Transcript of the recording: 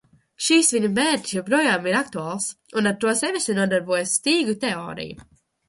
Šis viņa mērķis joprojām ir aktuāls, un ar to sevišķi nodarbojas stīgu teorija.